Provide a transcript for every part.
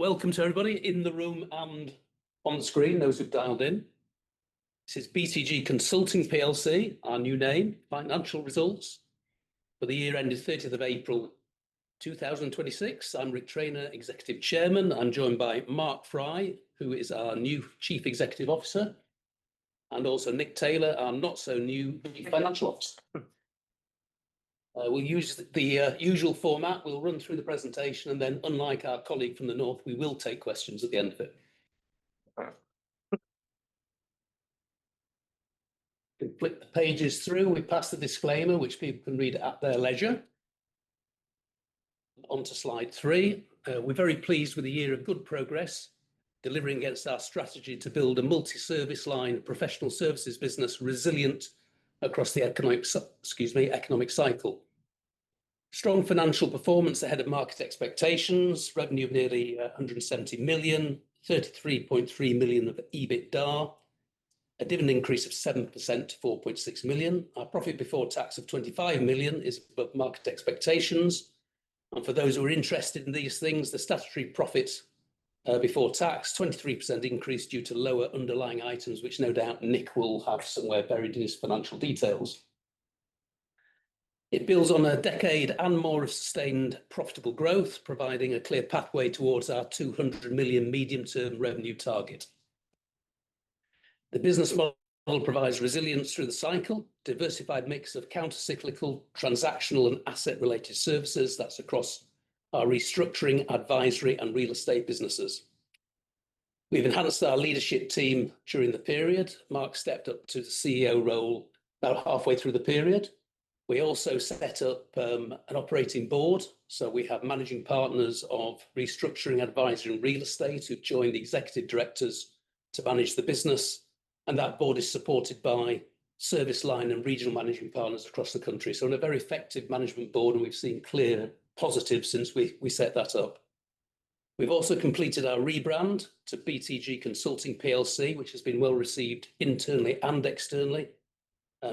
Well, welcome to everybody in the room and on screen, those who've dialed in. This is BTG Consulting plc, our new name, financial results for the year ended 30th of April 2026. I'm Ric Traynor, Executive Chairman. I'm joined by Mark Fry, who is our new Chief Executive Officer, and also Nick Taylor, our not so new Chief Financial Officer. We'll use the usual format. We'll run through the presentation. Then, unlike our colleague from the north, we will take questions at the end of it. If we flip the pages through, we pass the disclaimer, which people can read at their leisure. Onto slide three. We're very pleased with a year of good progress, delivering against our strategy to build a multi-service line of professional services business resilient across the economic cycle. Strong financial performance ahead of market expectations. Revenue of nearly 170 million, 33.3 million of EBITDA. A dividend increase of 7% to 4.6 million. Our profit before tax of 25 million is above market expectations. For those who are interested in these things, the statutory profits before tax, 23% increase due to lower underlying items, which no doubt Nick will have somewhere buried in his financial details. It builds on a decade and more of sustained profitable growth, providing a clear pathway towards our 200 million medium-term revenue target. The business model provides resilience through the cycle, diversified mix of counter-cyclical, transactional and asset-related services. That's across our restructuring, advisory and real estate businesses. We've enhanced our leadership team during the period. Mark stepped up to the CEO role about halfway through the period. We also set up an operating board. We have managing partners of restructuring, advisory, and real estate who've joined the executive directors to manage the business. That board is supported by service line and regional managing partners across the country. A very effective management board. We've seen clear positives since we set that up. We've also completed our rebrand to BTG Consulting plc, which has been well received internally and externally.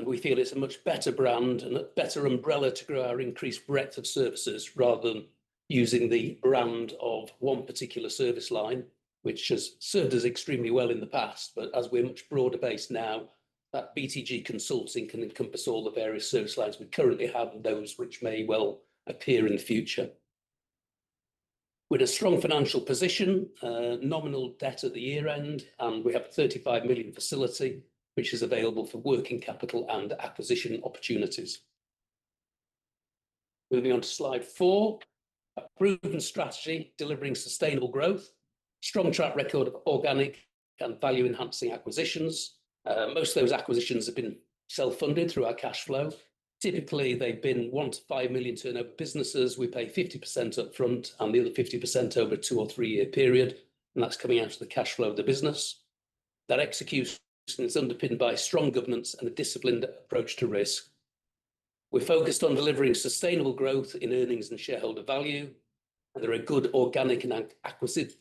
We feel it's a much better brand and a better umbrella to grow our increased breadth of services rather than using the brand of one particular service line, which has served us extremely well in the past. As we're much broader based now, that BTG Consulting can encompass all the various service lines we currently have and those which may well appear in the future. We had a strong financial position, nominal debt at the year-end. We have a 35 million facility, which is available for working capital and acquisition opportunities. Moving on to slide four. A proven strategy delivering sustainable growth. Strong track record of organic and value-enhancing acquisitions. Most of those acquisitions have been self-funded through our cash flow. Typically, they've been 1 million-5 million turnover businesses. We pay 50% upfront and the other 50% over a 2 or 3-year period. That's coming out of the cash flow of the business. That execution is underpinned by strong governance and a disciplined approach to risk. We're focused on delivering sustainable growth in earnings and shareholder value. There are good organic and acquisitive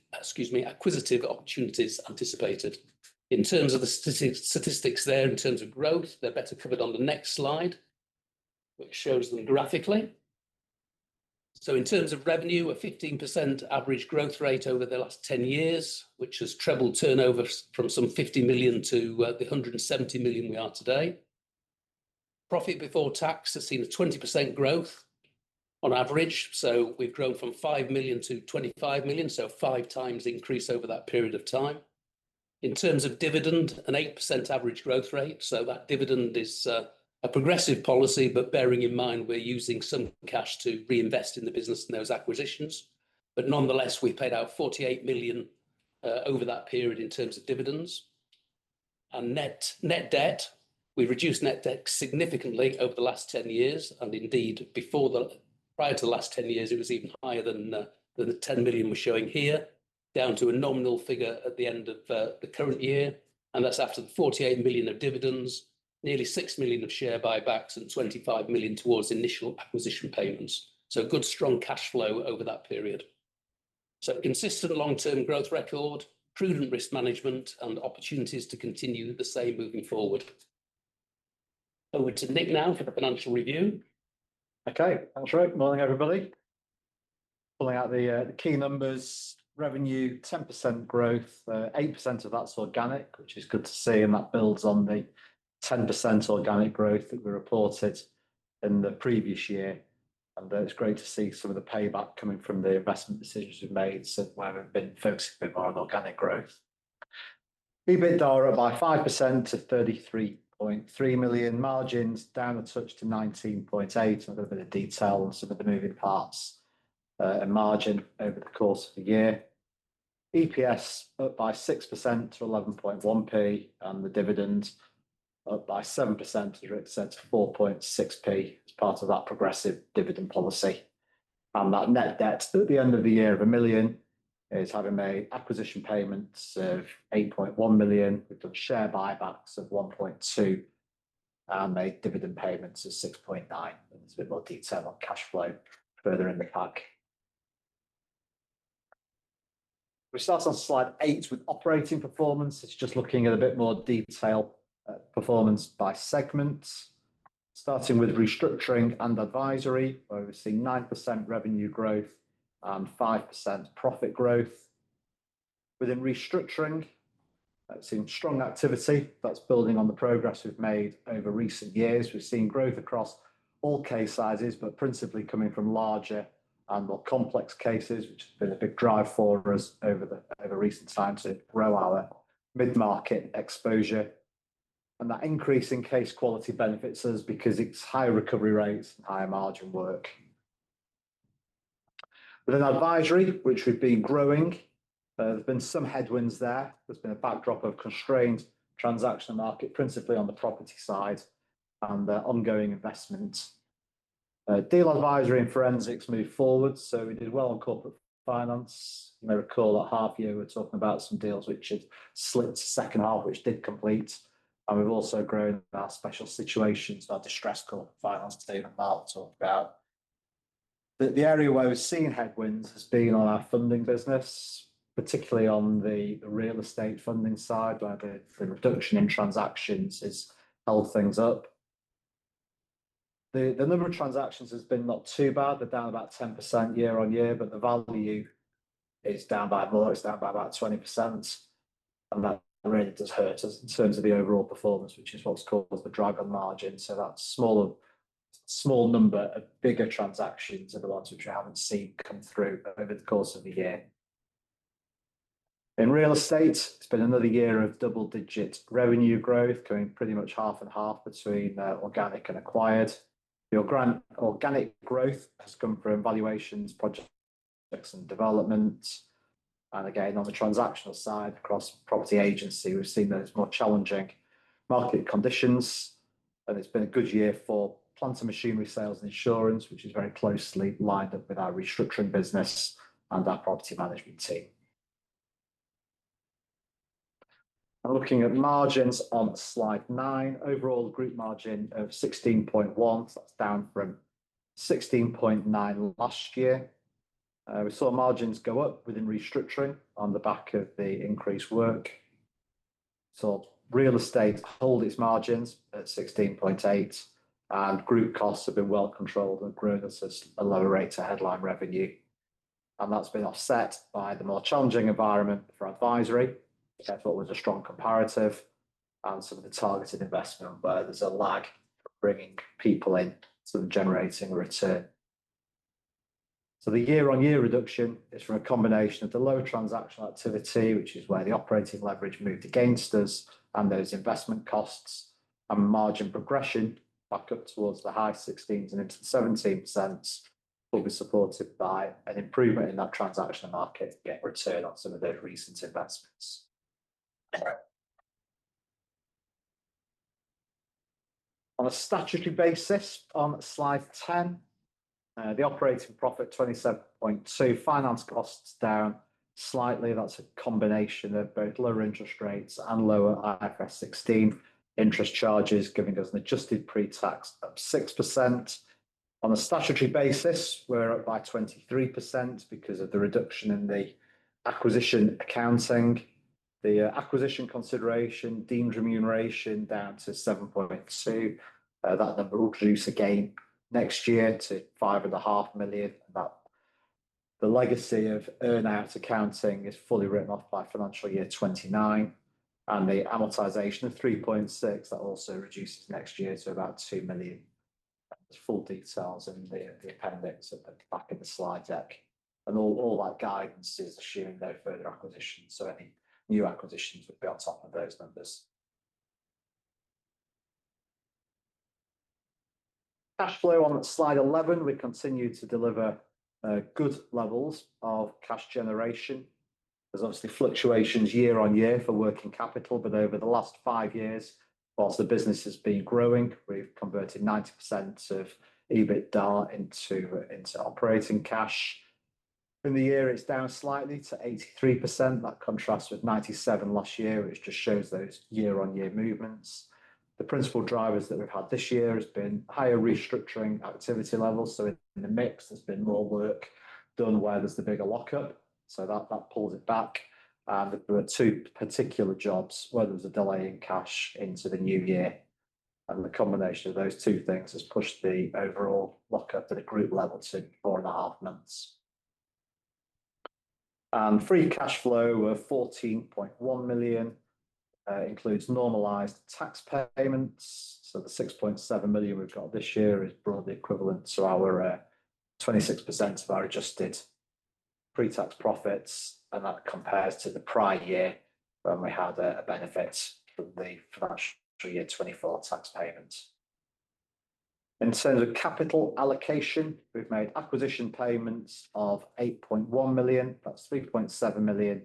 opportunities anticipated. In terms of the statistics there, in terms of growth, they're better covered on the next slide, which shows them graphically. In terms of revenue, a 15% average growth rate over the last 10 years, which has trebled turnover from some 50 million to the 170 million we are today. Profit before tax has seen a 20% growth on average. We've grown from 5 million to 25 million, five times increase over that period of time. In terms of dividend, an 8% average growth rate. That dividend is a progressive policy, but bearing in mind we're using some cash to reinvest in the business and those acquisitions. Nonetheless, we paid out 48 million over that period in terms of dividends. Net debt, we've reduced net debt significantly over the last 10 years. Indeed, prior to the last 10 years, it was even higher than the 10 million we're showing here, down to a nominal figure at the end of the current year. That's after the 48 million of dividends, nearly 6 million of share buybacks and 25 million towards initial acquisition payments. A good strong cash flow over that period. A consistent long-term growth record, prudent risk management, and opportunities to continue the same moving forward. Over to Nick now for the financial review. Okay. Thanks, Ric. Morning, everybody. Pulling out the key numbers. Revenue, 10% growth. 8% of that's organic, which is good to see, and that builds on the 10% organic growth that we reported in the previous year. It's great to see some of the payback coming from the investment decisions we've made, where we've been focusing a bit more on organic growth. EBITDA up by 5% to 33.3 million. Margins down a touch to 19.8%. A little bit of detail on some of the moving parts in margin over the course of the year. EPS up by 6% to 0.111, and the dividend up by 7% as Ric said, to 0.046 as part of that progressive dividend policy. That net debt at the end of the year of 1 million is having made acquisition payments of 8.1 million. We've done share buybacks of 1.2 million, and made dividend payments of 6.9 million, and there's a bit more detail on cash flow further in the pack. We start on slide eight with operating performance. It's just looking at a bit more detail at performance by segment. Starting with restructuring and advisory, we're overseeing 9% revenue growth and 5% profit growth. Within restructuring, that's seen strong activity. That's building on the progress we've made over recent years. We've seen growth across all case sizes, but principally coming from larger and more complex cases, which has been a big driver for us over recent times to grow our mid-market exposure. That increase in case quality benefits us because it's higher recovery rates and higher margin work. Within advisory, which we've been growing, there's been some headwinds there. There's been a backdrop of constrained transactional market, principally on the property side and the ongoing investment. Deal advisory and forensics moved forward. We did well on corporate finance. You may recall at half year, we were talking about some deals which had slipped to second half, which did complete. We've also grown our special situations, our distressed corporate finance team that Mark talked about. The area where we're seeing headwinds has been on our funding business, particularly on the real estate funding side, where the reduction in transactions has held things up. The number of transactions has been not too bad. They're down about 10% year-on-year, but the value is down by more. It's down by about 20%, and that really does hurt us in terms of the overall performance, which is what's caused the drag on margins. That small number of bigger transactions are the ones which we haven't seen come through over the course of the year. In real estate, it's been another year of double-digit revenue growth, coming pretty much half and half between organic and acquired. The organic growth has come from valuations, projects, and developments. Again, on the transactional side, across property agency, we've seen those more challenging market conditions, and it's been a good year for plant and machinery sales and insurance, which is very closely lined up with our restructuring business and our property management team. Looking at margins on slide nine, overall group margin of 16.1%. That's down from 16.9% last year. We saw margins go up within restructuring on the back of the increased work. Saw real estate hold its margins at 16.8%, and group costs have been well controlled and grown at a lower rate to headline revenue. That's been offset by the more challenging environment for advisory, except what was a strong comparative and some of the targeted investment where there's a lag for bringing people in to generating return. The year-on-year reduction is from a combination of the low transactional activity, which is where the operating leverage moved against us, and those investment costs, and margin progression back up towards the high 16s% and into the 17% will be supported by an improvement in that transactional market to get return on some of those recent investments. On a statutory basis, on slide 10, the operating profit 27.2 million. Finance costs down slightly. That's a combination of both lower interest rates and lower IFRS 16 interest charges, giving us an adjusted pre-tax up 6%. On a statutory basis, we're up by 23% because of the reduction in the acquisition accounting. The acquisition consideration, deemed remuneration down to 7.2 million. That number will reduce again next year to 5.5 million. The legacy of earn-out accounting is fully written off by FY 2029, and the amortization of 3.6 million, that also reduces next year to about 2 million. There's full details in the appendix at the back of the slide deck. All that guidance is assuming no further acquisitions. Any new acquisitions would be on top of those numbers. Cash flow on slide 11, we continue to deliver good levels of cash generation. There's obviously fluctuations year-over-year for working capital, but over the last five years, whilst the business has been growing, we've converted 90% of EBITDA into operating cash. In the year, it's down slightly to 83%. That contrasts with 97% last year, which just shows those year-over-year movements. The principal drivers that we've had this year has been higher restructuring activity levels, so in the mix, there's been more work done where there's the bigger lockup, so that pulls it back. There were two particular jobs where there was a delay in cash into the new year, and the combination of those two things has pushed the overall lockup at a group level to four and a half months. Free cash flow of 14.1 million includes normalized tax payments, the 6.7 million we've got this year is broadly equivalent to our 26% of our adjusted pre-tax profits, and that compares to the prior year when we had a benefit from the FY 2024 tax payments. In terms of capital allocation, we've made acquisition payments of 8.1 million. That's 3.7 million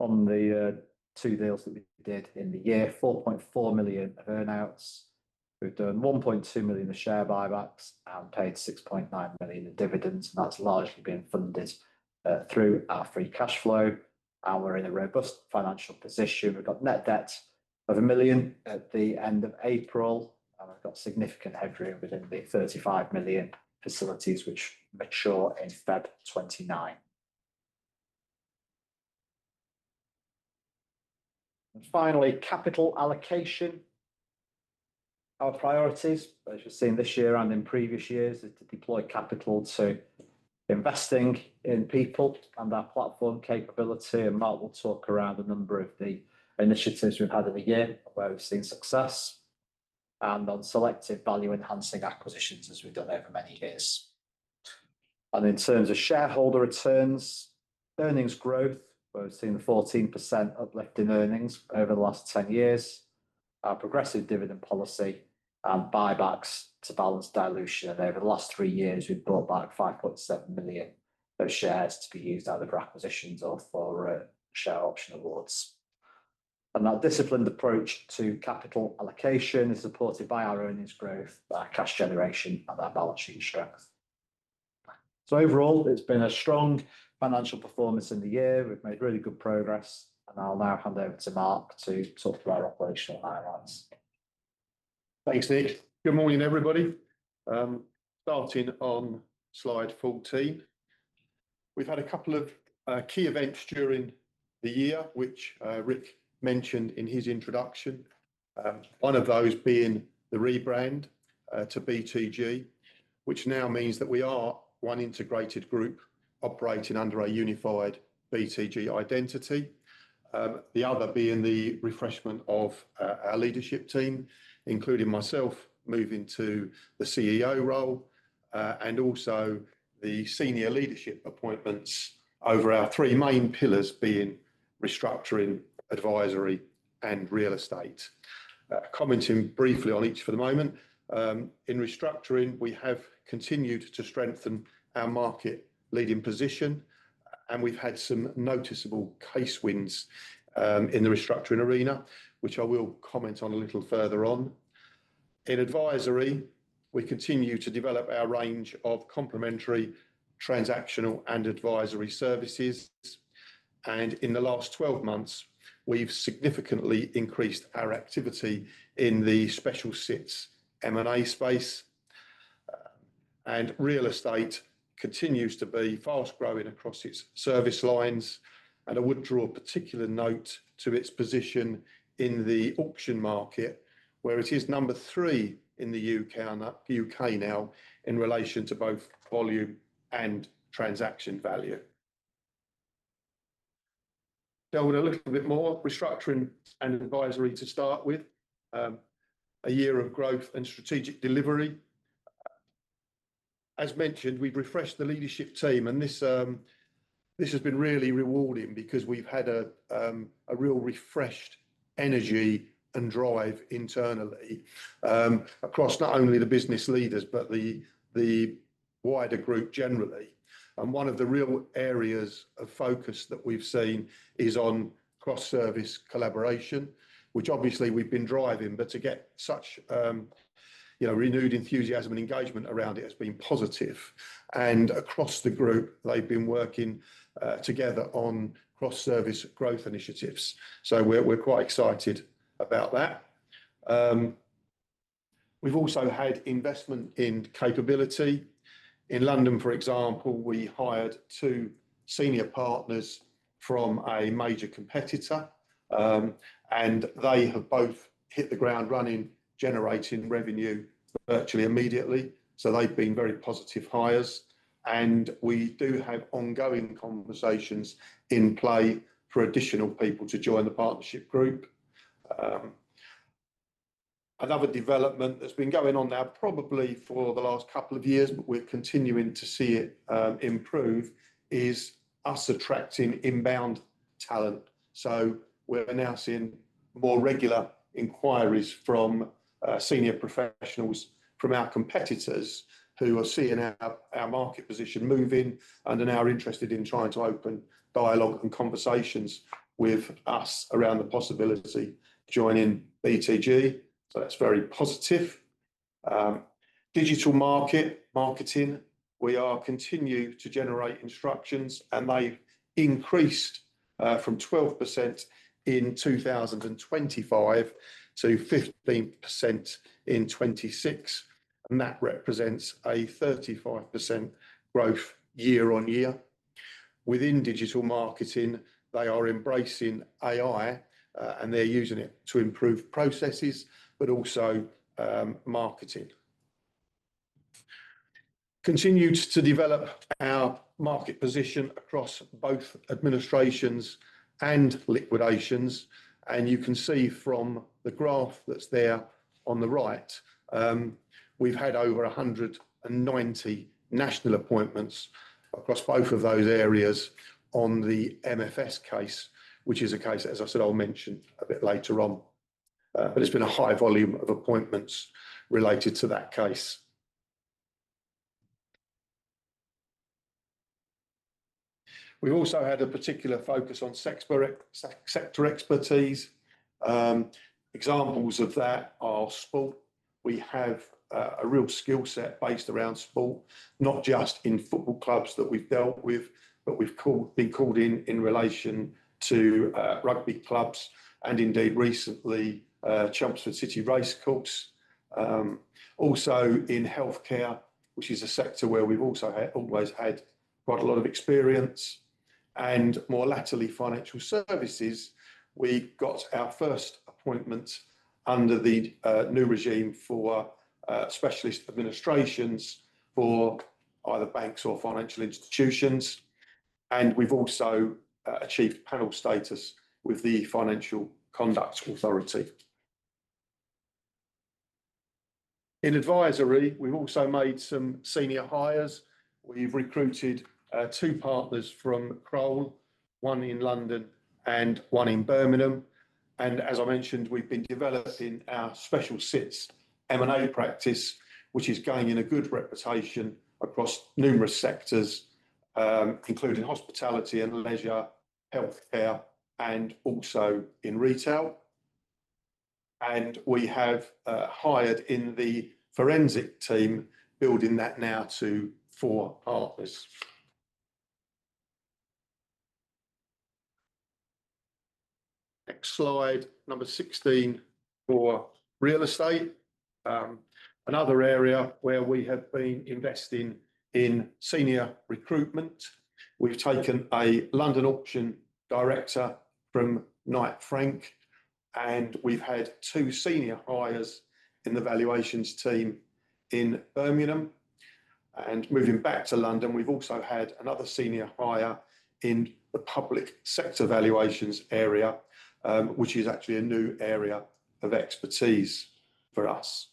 on the two deals that we did in the year, 4.4 million earn-outs. We've done 1.2 million of share buybacks and paid 6.9 million in dividends, and that's largely been funded through our free cash flow. We're in a robust financial position. We've got net debt of 1 million at the end of April, and we've got significant headroom within the 35 million facilities which mature in February 2029. Finally, capital allocation. Our priorities, as you've seen this year and in previous years, is to deploy capital to investing in people and our platform capability, and Mark will talk around a number of the initiatives we've had in the year where we've seen success, and on selective value-enhancing acquisitions as we've done over many years. In terms of shareholder returns, earnings growth, where we've seen a 14% uplift in earnings over the last 10 years, our progressive dividend policy and buybacks to balance dilution. Over the last three years, we've bought back 5.7 million of shares to be used either for acquisitions or for share option awards. That disciplined approach to capital allocation is supported by our earnings growth, by our cash generation, and our balance sheet strength. Overall, it's been a strong financial performance in the year. We've made really good progress, I'll now hand over to Mark to talk through our operational highlights. Thanks, Nick. Good morning, everybody. Starting on slide 14. We've had a couple of key events during the year, which Rick mentioned in his introduction. One of those being the rebrand to BTG, which now means that we are one integrated group operating under a unified BTG identity. The other being the refreshment of our leadership team, including myself moving to the CEO role, and also the senior leadership appointments over our three main pillars being restructuring, advisory, and real estate. Commenting briefly on each for the moment. In restructuring, we have continued to strengthen our market leading position. We've had some noticeable case wins in the restructuring arena, which I will comment on a little further on. In advisory, we continue to develop our range of complementary transactional and advisory services. In the last 12 months, we've significantly increased our activity in the special sits M&A space. Real estate continues to be fast-growing across its service lines. I would draw particular note to its position in the auction market, where it is number three in the U.K. now in relation to both volume and transaction value. Delving a little bit more, restructuring and advisory to start with. A year of growth and strategic delivery. As mentioned, we've refreshed the leadership team. This has been really rewarding because we've had a real refreshed energy and drive internally, across not only the business leaders, but the wider group generally. One of the real areas of focus that we've seen is on cross-service collaboration, which obviously we've been driving, but to get such renewed enthusiasm and engagement around it has been positive. Across the group, they've been working together on cross-service growth initiatives. We're quite excited about that. We've also had investment in capability. In London, for example, we hired two senior partners from a major competitor. They have both hit the ground running, generating revenue virtually immediately. They've been very positive hires, and we do have ongoing conversations in play for additional people to join the partnership group. Another development that's been going on now probably for the last couple of years, but we're continuing to see it improve, is us attracting inbound talent. We're now seeing more regular inquiries from senior professionals from our competitors who are seeing our market position moving and are now interested in trying to open dialogue and conversations with us around the possibility of joining BTG. That's very positive. Digital marketing. We are continuing to generate instructions. They increased from 12% in 2025 to 15% in 2026, and that represents a 35% growth year on year. Within digital marketing, they are embracing AI, and they're using it to improve processes, but also marketing. Continued to develop our market position across both administrations and liquidations. You can see from the graph that's there on the right, we've had over 190 national appointments across both of those areas on the MFS case, which is a case that, as I said, I'll mention a bit later on. It's been a high volume of appointments related to that case. We also had a particular focus on sector expertise. Examples of that are sport. We have a real skill set based around sport, not just in football clubs that we've dealt with, but we've been called in in relation to rugby clubs and indeed recently Chelmsford City Racecourse. In healthcare, which is a sector where we've also always had quite a lot of experience, and more latterly financial services, we got our first appointment under the new regime for specialist administrations for either banks or financial institutions, and we've also achieved panel status with the Financial Conduct Authority. In advisory, we've also made some senior hires. We've recruited two partners from Kroll, one in London and one in Birmingham. As I mentioned, we've been developing our special sits M&A practice, which is gaining a good reputation across numerous sectors, including hospitality and leisure, healthcare, and also in retail. We have hired in the forensic team, building that now to four partners. Next slide, number 16, for real estate. Another area where we have been investing in senior recruitment. We've taken a London auction director from Knight Frank, and we've had two senior hires in the valuations team in Birmingham. Moving back to London, we've also had another senior hire in the public sector valuations area, which is actually a new area of expertise for us.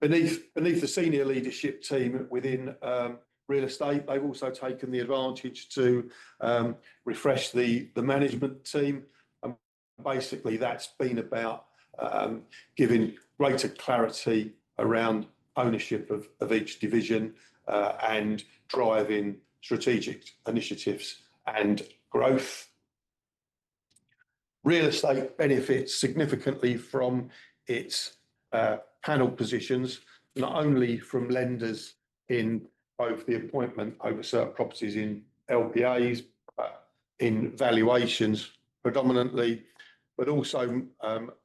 Beneath the senior leadership team within real estate, they've also taken the advantage to refresh the management team. Basically, that's been about giving greater clarity around ownership of each division, and driving strategic initiatives and growth. Real estate benefits significantly from its panel positions, not only from lenders in both the appointment over certain properties in LPAs, but in valuations predominantly, but also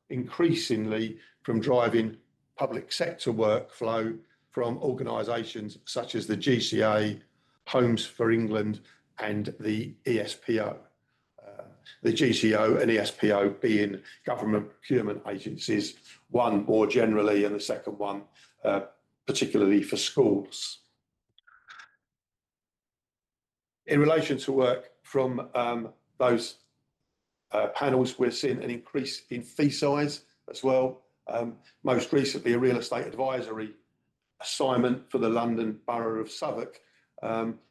increasingly from driving public sector workflow from organizations such as the GCA, Homes England, and the ESPO. The GCA and ESPO being government procurement agencies, one more generally, and the second one, particularly for schools. In relation to work from those panels, we're seeing an increase in fee size as well. Most recently, a real estate advisory assignment for the London Borough of Southwark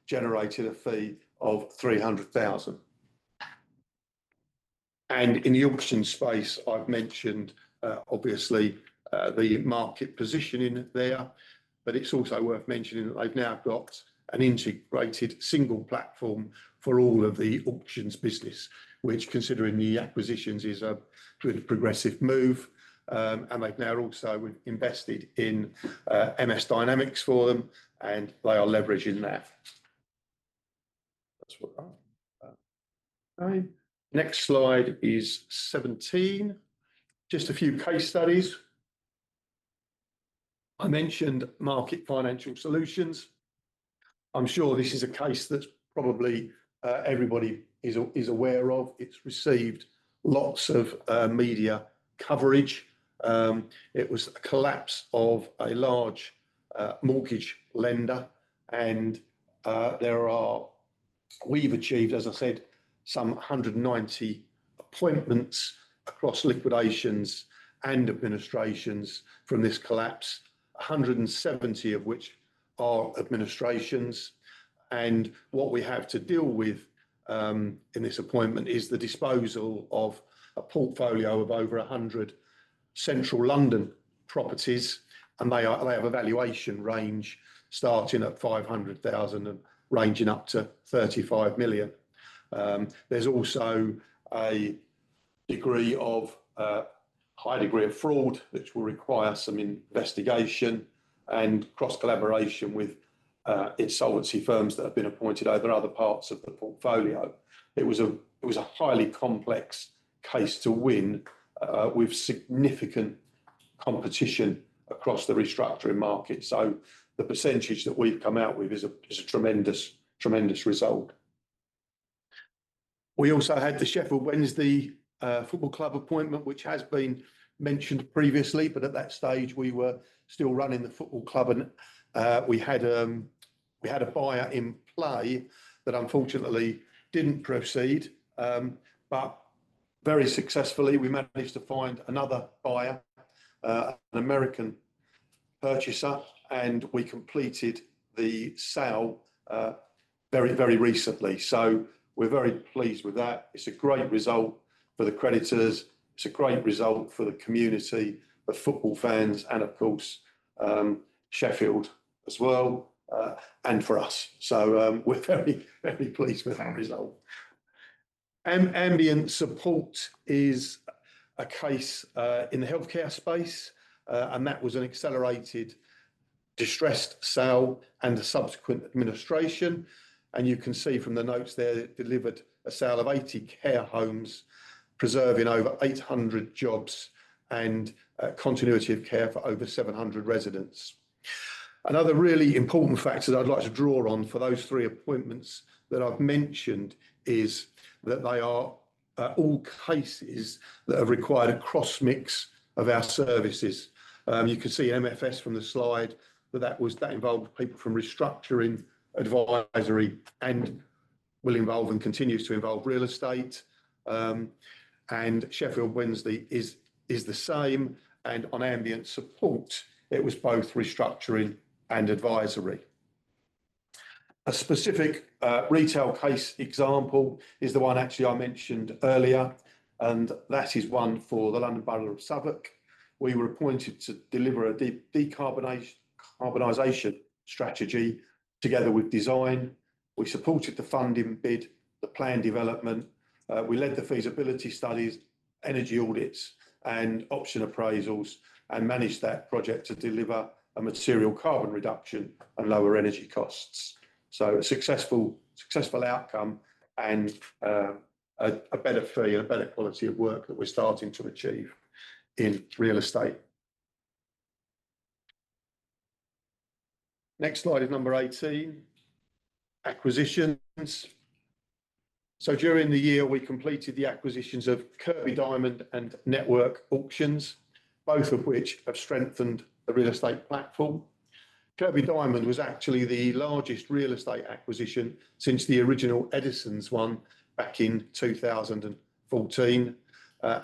generated a fee of 300,000. In the auction space, I've mentioned obviously the market positioning there, but it's also worth mentioning that they've now got an integrated single platform for all of the auctions business, which considering the acquisitions is a good progressive move. They've now also invested in MS Dynamics for them, and they are leveraging that. That's what I've got. Next slide is 17. Just a few case studies. I mentioned Market Financial Solutions. I'm sure this is a case that probably everybody is aware of. It's received lots of media coverage. It was a collapse of a large mortgage lender. We've achieved, as I said, some 190 appointments across liquidations and administrations from this collapse, 170 of which are administrations. What we have to deal with in this appointment is the disposal of a portfolio of over 100 central London properties, and they have a valuation range starting at 500,000 and ranging up to 35 million. There's also a high degree of fraud, which will require some investigation and cross-collaboration with insolvency firms that have been appointed over other parts of the portfolio. It was a highly complex case to win with significant competition across the restructuring market. The percentage that we've come out with is a tremendous result. We also had the Sheffield Wednesday Football Club appointment, which has been mentioned previously, but at that stage, we were still running the football club, and we had a buyer in play that unfortunately didn't proceed. Very successfully, we managed to find another buyer, an American purchaser, and we completed the sale very recently. We're very pleased with that. It's a great result for the creditors. It's a great result for the community, the football fans, and of course, Sheffield as well, and for us. We're very pleased with that result. Ambient Support is a case in the healthcare space, and that was an accelerated distressed sale and the subsequent administration. You can see from the notes there, it delivered a sale of 80 care homes, preserving over 800 jobs and continuity of care for over 700 residents. Another really important factor that I'd like to draw on for those three appointments that I've mentioned is that they are all cases that have required a cross-mix of our services. You can see MFS from the slide, that involved people from restructuring, advisory, and will involve and continues to involve real estate. Sheffield Wednesday is the same. On Ambient Support, it was both restructuring and advisory. A specific retail case example is the one actually I mentioned earlier, and that is one for the London Borough of Southwark. We were appointed to deliver a decarbonization strategy together with design. We supported the funding bid, the plan development. We led the feasibility studies, energy audits, and option appraisals, and managed that project to deliver a material carbon reduction and lower energy costs. A successful outcome and a better fee and a better quality of work that we're starting to achieve in real estate. Next slide is number 18, acquisitions. During the year, we completed the acquisitions of Kirkby Diamond and Network Auctions, both of which have strengthened the real estate platform. Kirkby Diamond was actually the largest real estate acquisition since the original Eddisons one back in 2014.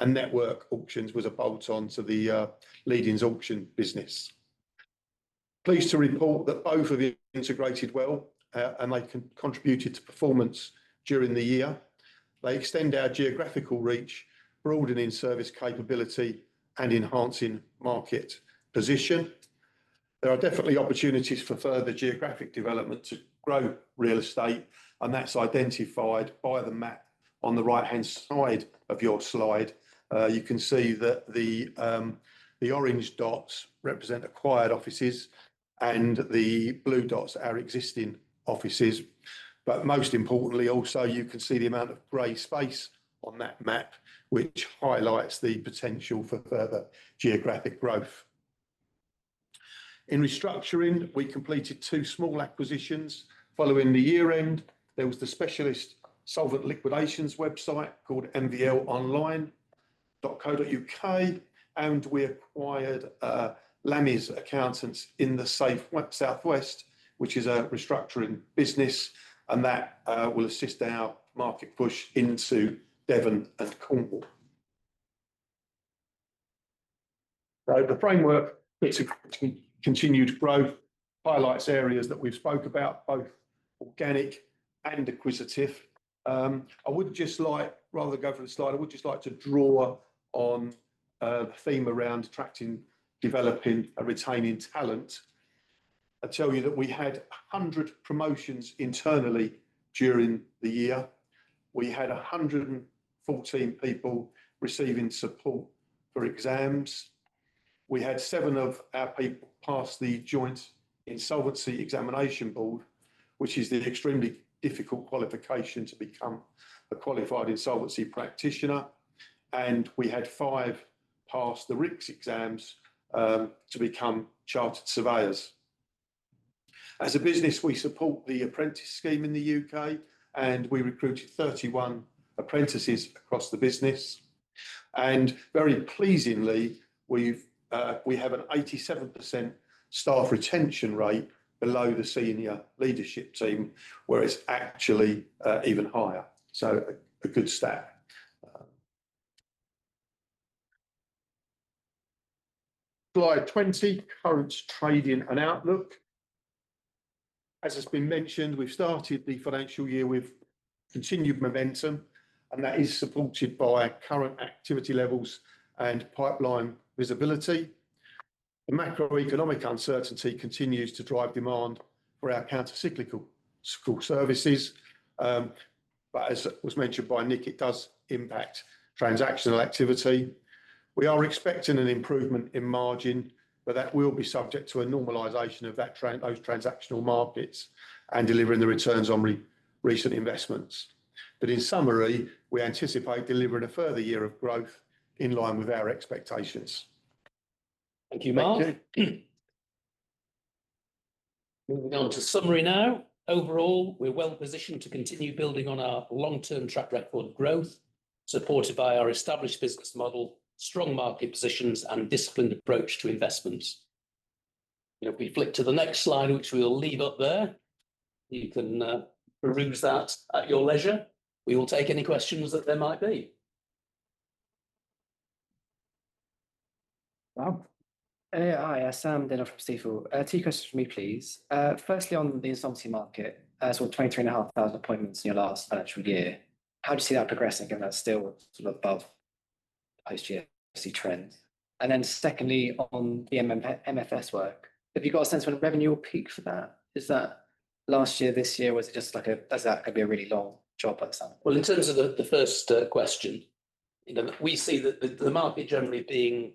Network Auctions was a bolt-on to the Eddisons' auction business. Pleased to report that both have integrated well, and they contributed to performance during the year. They extend our geographical reach, broadening service capability and enhancing market position. There are definitely opportunities for further geographic development to grow real estate, and that's identified by the map on the right-hand side of your slide. You can see that the orange dots represent acquired offices and the blue dots are existing offices. Most importantly, also, you can see the amount of gray space on that map, which highlights the potential for further geographic growth. In restructuring, we completed two small acquisitions following the year end. There was the specialist solvent liquidations website called mvlonline.co.uk, and we acquired Lameys Accountants in the South West, which is a restructuring business, and that will assist our market push into Devon and Cornwall. The framework bits of continued growth highlights areas that we've spoke about, both organic and acquisitive. Rather than go through the slide, I would just like to draw on a theme around attracting, developing, and retaining talent and tell you that we had 100 promotions internally during the year. We had 114 people receiving support for exams. We had seven of our people pass the Joint Insolvency Examination Board, which is an extremely difficult qualification to become a qualified insolvency practitioner. We had five pass the RICS exams, to become chartered surveyors. As a business, we support the apprentice scheme in the U.K., and we recruited 31 apprentices across the business. Very pleasingly, we have an 87% staff retention rate below the senior leadership team, where it's actually even higher. A good stat. Slide 20, current trading and outlook. As has been mentioned, we've started the financial year with continued momentum, and that is supported by our current activity levels and pipeline visibility. The macroeconomic uncertainty continues to drive demand for our countercyclical services. As was mentioned by Nick, it does impact transactional activity. We are expecting an improvement in margin, but that will be subject to a normalization of those transactional markets and delivering the returns on recent investments. In summary, we anticipate delivering a further year of growth in line with our expectations. Thank you, Mark. Moving on to summary now. Overall, we're well-positioned to continue building on our long-term track record of growth, supported by our established business model, strong market positions, and disciplined approach to investments. We flick to the next slide, which we'll leave up there, you can peruse that at your leisure. We will take any questions that there might be. Mark. Hi. Sam Denholm. Two questions from me, please. Firstly, on the insolvency market, saw 23,500 appointments in your last financial year. How do you see that progressing? That's still above post-GFC trend. Secondly, on the MFS work, have you got a sense when revenue will peak for that? Is that last year, this year? Or is that going to be a really long job, that sum? Well, in terms of the first question. We see the market generally being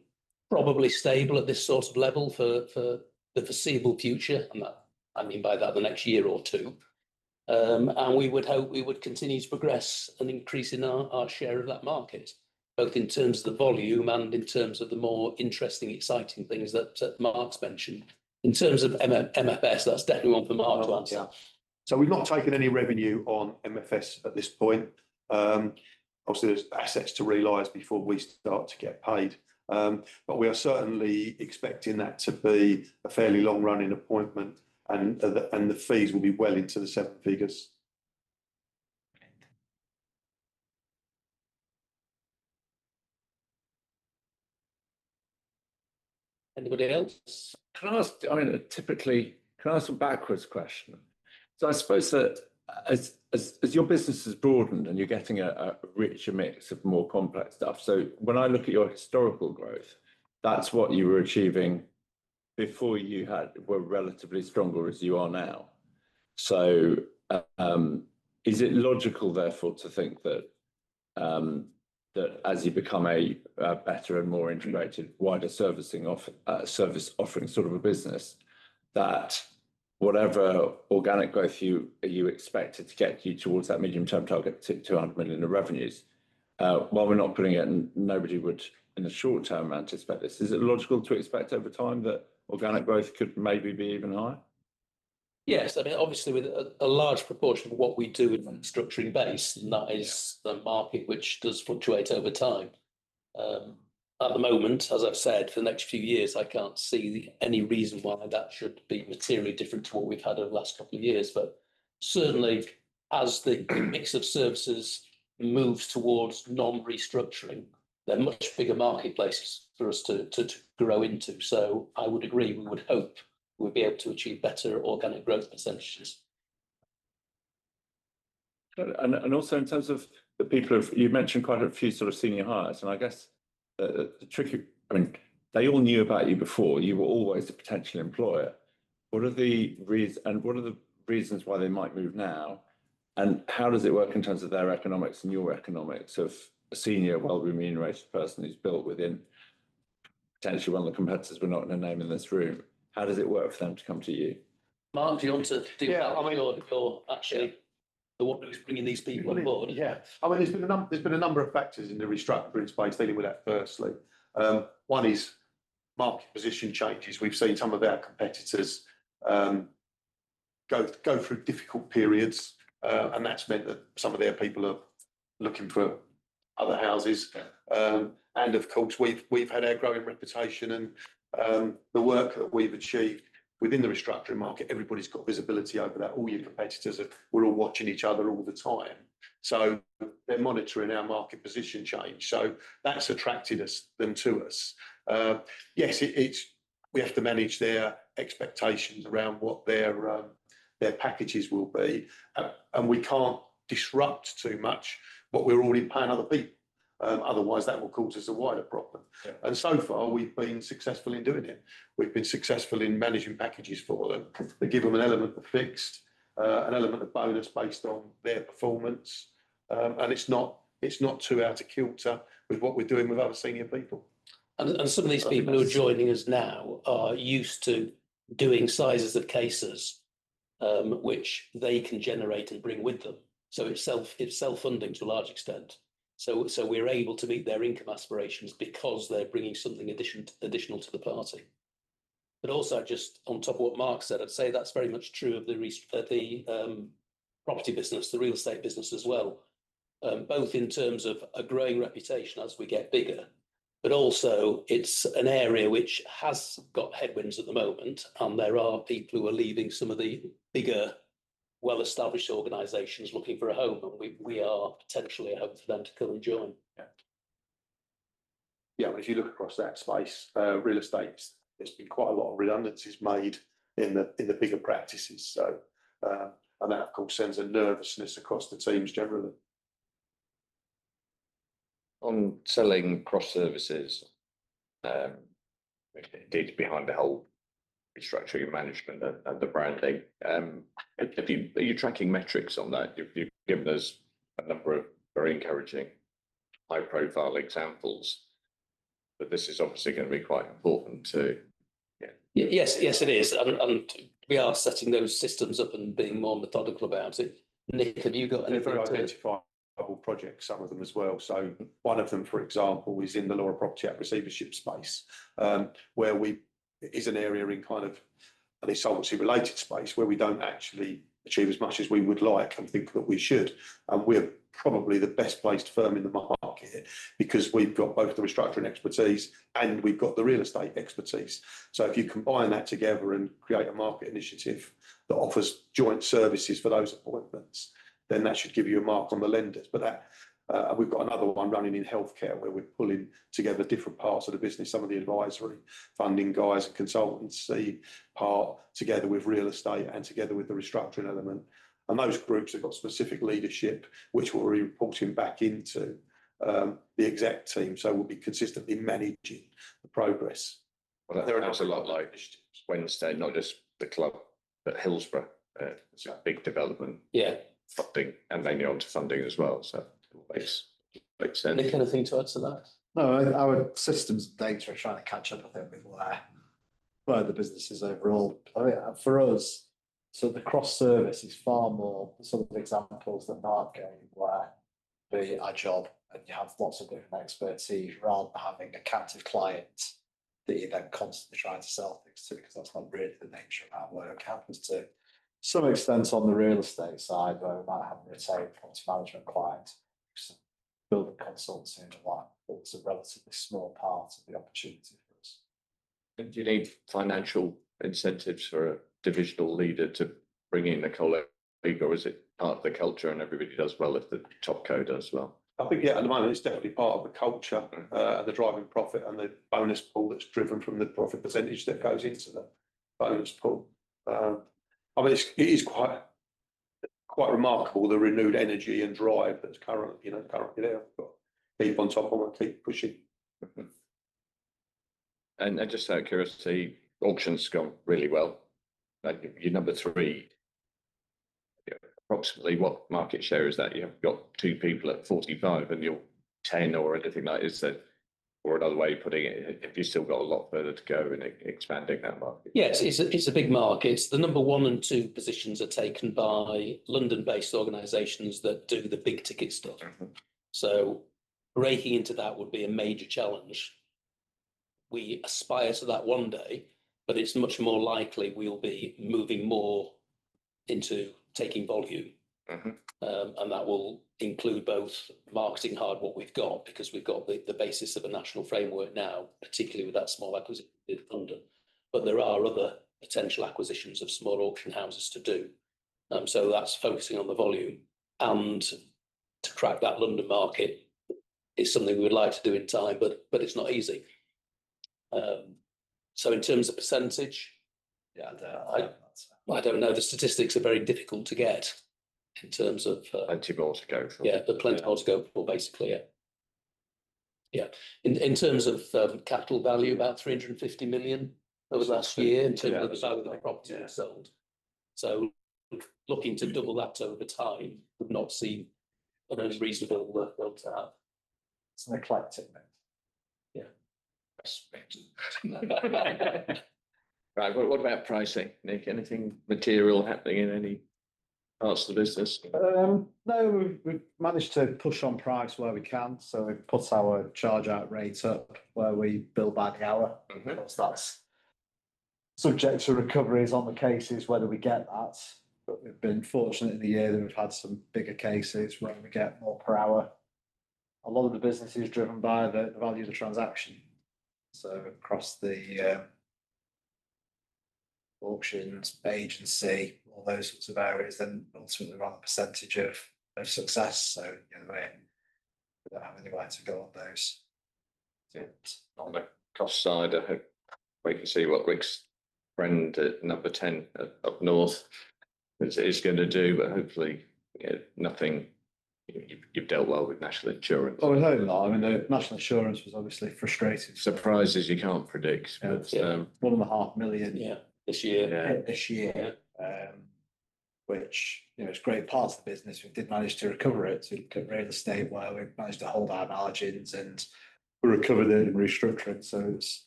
probably stable at this sort of level for the foreseeable future. I mean by that the next year or two. We would hope we would continue to progress and increase in our share of that market, both in terms of the volume and in terms of the more interesting, exciting things that Mark's mentioned. In terms of MFS, that's definitely one for Mark to answer. We've not taken any revenue on MFS at this point. Obviously, there's assets to realize before we start to get paid. We are certainly expecting that to be a fairly long-running appointment and the fees will be well into the seven figures. Great. Anybody else? Can I ask a backwards question? I suppose that as your business has broadened and you're getting a richer mix of more complex stuff, when I look at your historical growth, that's what you were achieving before you were relatively stronger as you are now. Is it logical therefore to think that as you become a better and more integrated, wider service offering sort of a business, that whatever organic growth you expected to get you towards that medium-term target to 200 million in revenues, while we're not putting it and nobody would in the short-term anticipate this, is it logical to expect over time that organic growth could maybe be even higher? Yes. Obviously, with a large proportion of what we do in the restructuring base, that is the market which does fluctuate over time. At the moment, as I've said, for the next few years, I can't see any reason why that should be materially different to what we've had over the last couple of years. Certainly, as the mix of services moves towards non-restructuring, they're much bigger marketplaces for us to grow into. I would agree, we would hope we'd be able to achieve better organic growth percentages. In terms of the people you've mentioned quite a few senior hires. They all knew about you before. You were always a potential employer. What are the reasons why they might move now, and how does it work in terms of their economics and your economics of a senior, well-remunerated person who's built within potentially one of the competitors we're not going to name in this room? How does it work for them to come to you? Mark, do you want to do that one or actually the one who's bringing these people on board? Yeah. There's been a number of factors in the restructuring space dealing with that firstly. One is market position changes. We've seen some of our competitors go through difficult periods, that's meant that some of their people are looking for other houses. Yeah. Of course, we've had our growing reputation and the work that we've achieved within the restructuring market, everybody's got visibility over that. All your competitors, we're all watching each other all the time. They're monitoring our market position change. That's attracted them to us. Yes, we have to manage their expectations around what their packages will be. We can't disrupt too much what we're already paying other people. Otherwise, that will cause us a wider problem. Yeah. So far, we've been successful in doing it. We've been successful in managing packages for them. We give them an element of fixed, an element of bonus based on their performance. It's not too out of kilter with what we're doing with other senior people. Some of these people who are joining us now are used to doing sizes of cases, which they can generate and bring with them. It's self-funding to a large extent. We're able to meet their income aspirations because they're bringing something additional to the party. Also just on top of what Mark said, I'd say that's very much true of the property business, the real estate business as well, both in terms of a growing reputation as we get bigger, also it's an area which has got headwinds at the moment, and there are people who are leaving some of the bigger, well-established organizations looking for a home, and we are potentially a home for them to come and join. Yeah. If you look across that space, real estate, there's been quite a lot of redundancies made in the bigger practices. That, of course, sends a nervousness across the teams generally. On selling cross services, indeed behind the whole restructuring and management of the brand thing, are you tracking metrics on that? You've given us a number of very encouraging high-profile examples, this is obviously going to be quite important too. Yes, it is. We are setting those systems up and being more methodical about it. Nick, have you got anything? They're very identifiable projects, some of them as well. One of them, for example, is in the lower property at receivership space, is an area in kind of a solvency-related space where we don't actually achieve as much as we would like and think that we should. We're probably the best-placed firm in the market because we've got both the restructuring expertise and we've got the real estate expertise. If you combine that together and create a market initiative that offers joint services for those appointments, then that should give you a mark on the lenders. We've got another one running in healthcare where we're pulling together different parts of the business, some of the advisory funding guys, the consultancy part, together with real estate and together with the restructuring element. Those groups have got specific leadership which we're reporting back into the exec team. We'll be consistently managing the progress. Well, there is a lot like Wednesday, not just the club, but Hillsborough. It's a big development. Yeah. Funding, and then the audit funding as well. It makes sense. Nick, anything to add to that? No, our systems and data are trying to catch up with everything where the business is overall. For us, the cross-service is far more some of the examples that Mark gave, where doing a job and you have lots of different expertise rather than having accounts of clients that you then constantly try to sell things to, because that's not really the nature of our work. Happens to some extent on the real estate side, where we might have, let's say, a property management client, building consultancy, and what, but it's a relatively small part of the opportunity for us. Do you need financial incentives for a divisional leader to bring in a colleague, or is it part of the culture and everybody does well if the top co does well? I think, yeah, at the moment, it's definitely part of the culture, the driving profit and the bonus pool that's driven from the profit percentage that goes into the bonus pool. It is quite remarkable the renewed energy and drive that's currently there. I've got beef on top and I'm going to keep pushing. Mm-hmm. Just out of curiosity, auction's gone really well. You're number 3. Approximately what market share is that? You have got two people at 45 and you're 10 or anything like you said, or another way of putting it, have you still got a lot further to go in expanding that market? Yes. It's a big market. The number 1 and 2 positions are taken by London-based organizations that do the big ticket stuff. Breaking into that would be a major challenge. We aspire to that one day, but it's much more likely we'll be moving more into taking volume. That will include both marketing hard what we've got, because we've got the basis of a national framework now, particularly with that small acquisition in London. There are other potential acquisitions of small auction houses to do. That's focusing on the volume. To crack that London market is something we would like to do in time, but it's not easy. Yeah I don't know. Plenty more to go for. Yeah. Plenty more to go for, basically, yeah. In terms of capital value, about 350 million over last year in terms of the value of the properties sold. Looking to double that over time would not seem an unreasonable workflow to have. It's an eclectic mix. Yeah. Respect. Right. What about pricing, Nick? Anything material happening in any parts of the business? No. We've managed to push on price where we can. We've put our charge-out rate up where we bill by the hour. Of course, that's subject to recoveries on the cases, whether we get that. We've been fortunate in the year that we've had some bigger cases where we get more per hour. A lot of the business is driven by the value of the transaction. Across the auctions, agency, all those sorts of areas, then ultimately we want a percentage of success. Either way, without having to go on those. Yeah. On the cost side, I hope we can see what Greg's friend at number 10 up north is going to do, but hopefully nothing. You've dealt well with National Insurance. Oh, no. National Insurance was obviously frustrating. Surprises you can't predict. One and a half million. Yeah. This year. This year. Yeah. Which, it's a great part of the business. We did manage to recover it, in real estate where we managed to hold our margins and we recovered it in restructuring. It's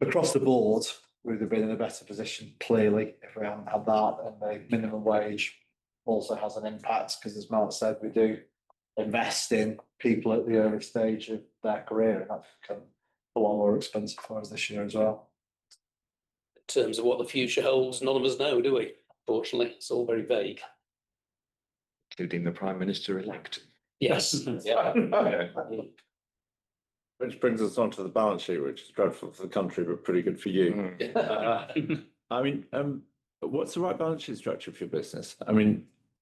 across the board, we'd have been in a better position, clearly, if we hadn't had that. The minimum wage also has an impact because as Mark said, we do invest in people at the early stage of their career, and that's become a lot more expensive for us this year as well. In terms of what the future holds, none of us know, do we? Unfortunately, it's all very vague. Including the Prime Minister elect. Yes. Yeah. brings us onto the balance sheet, which is dreadful for the country, but pretty good for you. What's the right balance sheet structure for your business?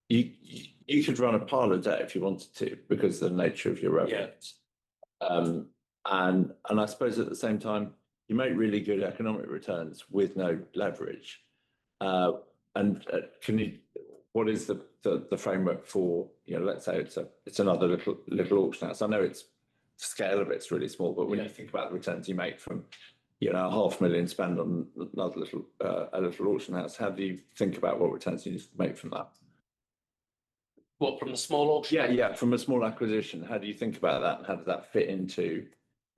You could run a pile of debt if you wanted to because of the nature of your revenues. Yeah. I suppose at the same time, you make really good economic returns with no leverage. What is the framework for, let's say it's another little auction house. I know scale of it is really small, but when you think about the returns you make from a GBP half million spend on another little auction house, how do you think about what returns you make from that? What, from a small auction house? Yeah. From a small acquisition. How do you think about that and how does that fit into?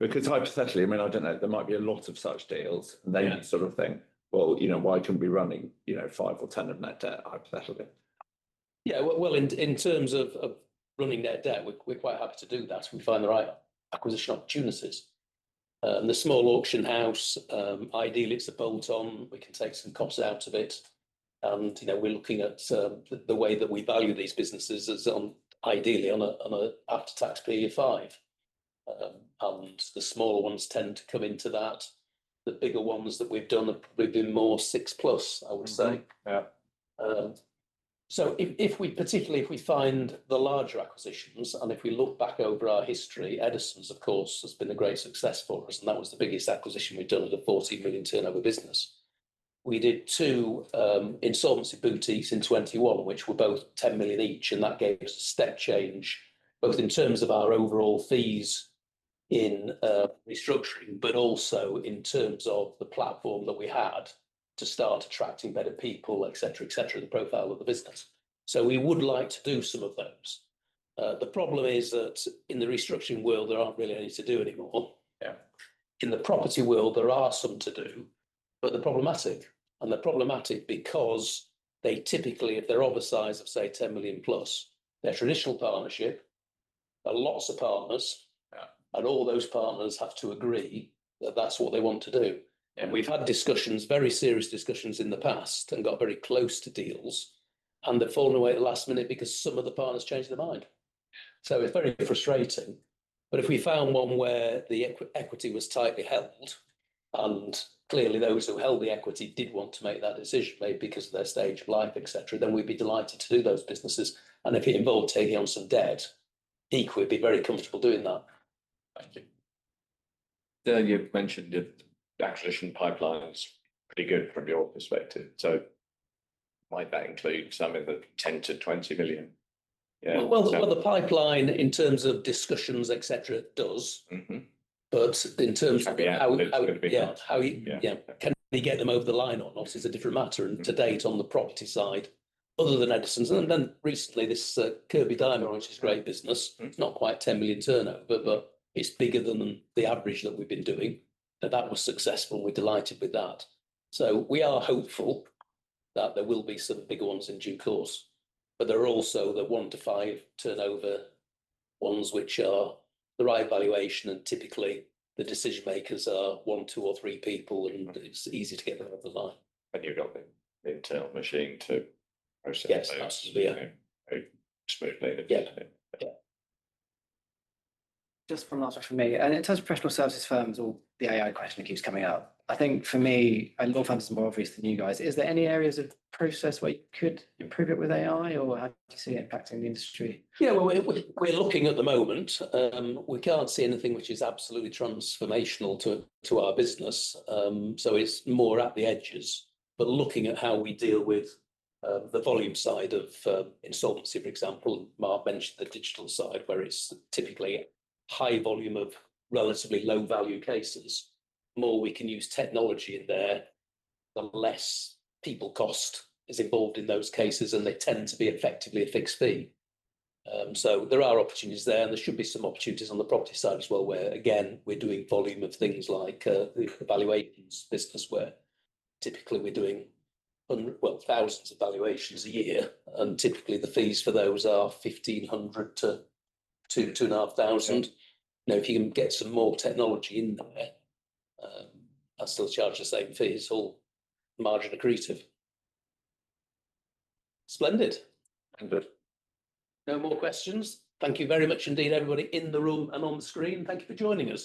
Hypothetically, I don't know, there might be a lot of such deals and then you sort of think, "Well, why couldn't we be running 5 or 10 of net debt hypothetically? Yeah. Well, in terms of running net debt, we're quite happy to do that if we find the right acquisition opportunities. The small auction house, ideally it's a bolt on, we can take some costs out of it. We're looking at the way that we value these businesses is on ideally on a after-tax PE of five. The smaller ones tend to come into that. The bigger ones that we've done have probably been more six plus, I would say. Mm-hmm. Yeah. Particularly if we find the larger acquisitions, if we look back over our history, Eddisons, of course, has been a great success for us, and that was the biggest acquisition we'd done at a 40 million turnover business. We did two insolvency boutiques in 2021, which were both 10 million each, that gave us a step change both in terms of our overall fees in restructuring, but also in terms of the platform that we had to start attracting better people, et cetera, et cetera, the profile of the business. We would like to do some of those. The problem is that in the restructuring world, there aren't really any to do anymore. Yeah. In the property world, there are some to do, but they're problematic. They're problematic because they typically, if they're over the size of say 10 million plus, they're a traditional partnership, there are lots of partners- Yeah All those partners have to agree that that's what they want to do. Yeah. We've had discussions, very serious discussions in the past got very close to deals, they've fallen away at the last minute because some of the partners changed their mind. It's very frustrating. If we found one where the equity was tightly held, clearly those who held the equity did want to make that decision maybe because of their stage of life, et cetera, then we'd be delighted to do those businesses. If it involved taking on some debt, we'd be very comfortable doing that. Thank you. You've mentioned the acquisition pipeline is pretty good from your perspective. Might that include something of 10 million-20 million? Yeah. Well, the pipeline in terms of discussions, et cetera, it does. In terms of how- Could be, yeah Can we get them over the line or not is a different matter. To date, on the property side, other than Eddisons, and then recently this Kirkby Diamond, which is a great business. It's not quite 10 million turnover, it's bigger than the average that we've been doing. That was successful. We're delighted with that. We are hopeful that there will be some bigger ones in due course. There are also the one to five turnover ones which are the right valuation and typically the decision makers are one, two, or three people, and it's easy to get them over the line. You've got the intel machine to process. Yes those. Yeah. Expeditively. Yeah. Okay. Just one last one from me. In terms of professional services firms or the AI question keeps coming up, I think for me, I'd love to hear some more views from you guys. Is there any areas of process where you could improve it with AI, or how do you see it impacting the industry? We're looking at the moment. We can't see anything which is absolutely transformational to our business, so it's more at the edges. Looking at how we deal with the volume side of insolvency, for example, Mark mentioned the digital side, where it's typically a high volume of relatively low-value cases. The more we can use technology in there, the less people cost is involved in those cases, and they tend to be effectively a fixed fee. There are opportunities there, and there should be some opportunities on the property side as well, where again, we're doing volume of things like the valuations business where typically we're doing thousands of valuations a year, and typically the fees for those are 1,500 to 2,500. Okay. If you can get some more technology in there, and still charge the same fee, it's all margin accretive. Splendid. Good. No more questions. Thank you very much indeed everybody in the room and on the screen. Thank you for joining us.